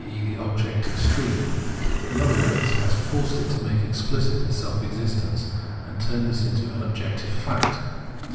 e. the objective extreme; — in other words, has forced it to make explicit its self existence, and turned this into an objective fact.